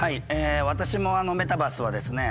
私もメタバースはですね